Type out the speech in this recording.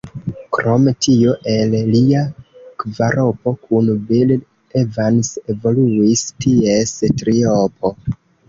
Krom tio el lia kvaropo kun Bill Evans evoluis ties triopo.